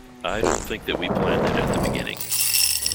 I don't think that we planned it at the beginning.